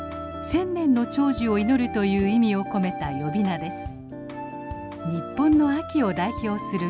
「千年の長寿を祈る」という意味を込めた呼び名です。